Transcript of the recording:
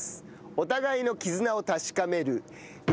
お互いの絆を確かめる。